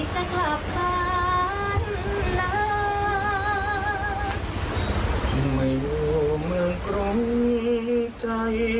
สวัสดีค่ะ